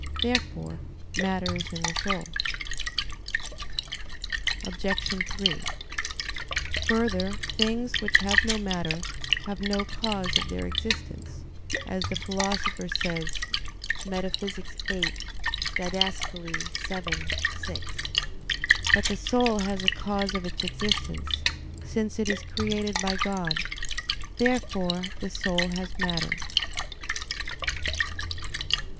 Therefore matter is in the soul. Obj. 3: Further, things which have no matter, have no cause of their existence, as the Philosopher says Metaph. viii (Did. vii, 6). But the soul has a cause of its existence, since it is created by God. Therefore the soul has matter.